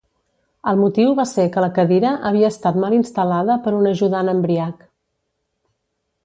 El motiu va ser que la cadira havia estat mal instal·lada per un ajudant embriac.